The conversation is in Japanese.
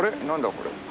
これ。